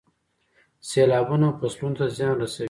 سیلابونه فصلونو ته زیان رسوي.